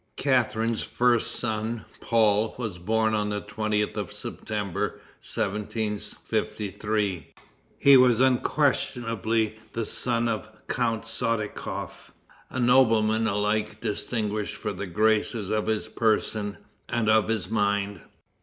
Catharine's first son, Paul, was born on the 20th of September, 1753. He was unquestionably the son of Count Sottikoff, a nobleman alike distinguished for the graces of his person and of his mind.